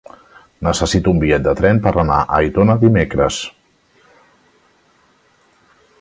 Necessito un bitllet de tren per anar a Aitona dimecres.